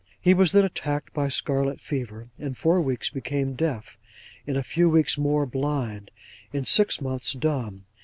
He was then attacked by scarlet fever; in four weeks became deaf; in a few weeks more, blind; in six months, dumb.